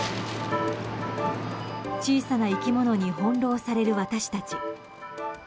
小さな生き物に翻弄される私たち。